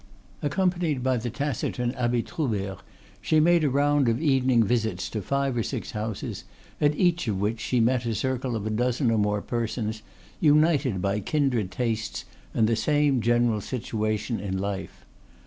Accompanied by the taciturn Abbe Troubert she made a round of evening visits to five or six houses, at each of which she met a circle of a dozen or more persons, united by kindred tastes and the same general situation in life.